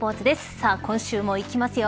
さあ、今週もいきますよ。